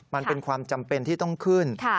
มันเป็นความจำเป็นที่ต้องขึ้น